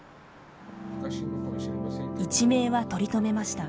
一命は取り留めました。